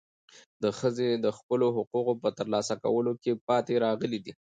ښځې د خپلو حقوقو په ترلاسه کولو کې پاتې راغلې دي.